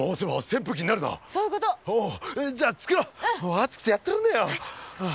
暑くてやってられねえよ。